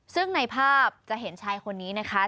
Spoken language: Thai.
ซึ่งในภาพจะเห็นชายคนนี้นะคะ